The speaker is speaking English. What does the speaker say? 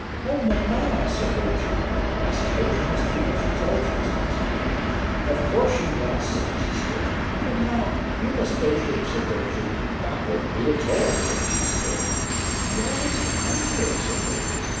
"Oh, mamma!" said Rachel. "I suppose you must do what she tells you," said Mrs. Ray. "Of course she must," said Mrs. Sturt. "Mamma, you must go to him," said Rachel. "That won't do at all," said Mrs. Sturt. "And why has he come here?" said Rachel.